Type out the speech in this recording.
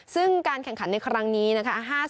ซึ่งการแข่งขันในครั้งนี้นะคะ